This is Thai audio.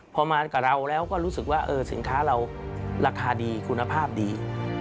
พอมากับเราแล้วก็รู้สึกว่าสินค้าเราราคาดีคุณภาพดี